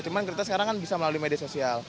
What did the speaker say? cuma kita sekarang kan bisa melalui media sosial